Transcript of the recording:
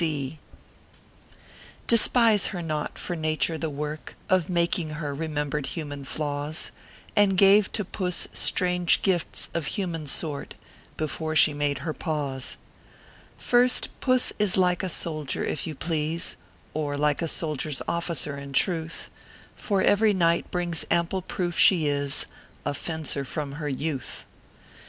ORPHEUS C. KERR PAPERS. 335 Despise her not; for Nature, in the work Of making her, remembered human laws, And gave to Puss strange gifts of human sort; Before she made her paws: First, Puss is like a soldier, if you please ; Or, like a soldier s officer, in truth ; For every night brings ample proof she is A fencer from her youth.